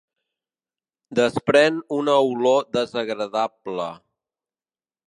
Desprèn una olor desagradable.